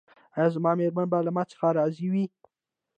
ایا زما میرمن به له ما څخه راضي وي؟